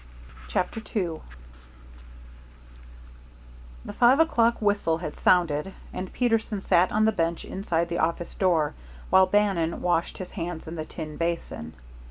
CHAPTER II The five o'clock whistle had sounded, and Peterson sat on the bench inside the office door, while Bannon washed his hands in the tin basin.